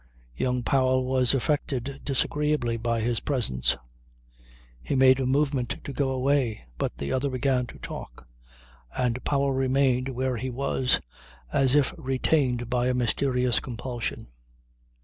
Young Powell was affected disagreeably by his presence. He made a movement to go away but the other began to talk and Powell remained where he was as if retained by a mysterious compulsion.